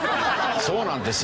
そうなんですよ。